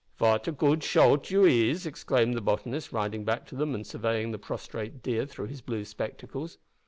"Vat a goot shote you is!" exclaimed the botanist riding back to them and surveying the prostrate deer through his blue spectacles.